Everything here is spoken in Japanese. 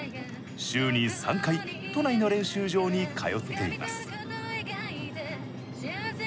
週に３回都内の練習場に通っています。